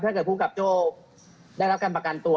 ถ้าเกิดผู้กับโจ้ได้รับการประกันตัว